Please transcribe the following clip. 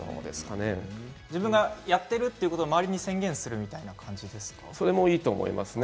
自分がやっているということを周りに宣言するようなこといいと思います。